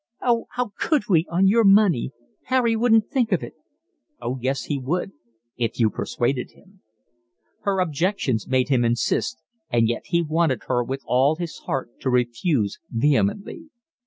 "Oh, how could we, on your money? Harry wouldn't think of it." "Oh yes, he would, if you persuaded him." Her objections made him insist, and yet he wanted her with all his heart to refuse vehemently.